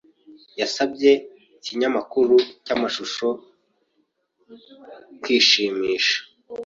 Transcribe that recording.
Yasabye ikinyamakuru cyamashusho kwishimisha.